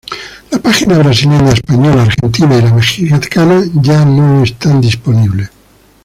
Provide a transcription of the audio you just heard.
Las páginas brasileña, española, argentina y la mexicana ya no están disponibles.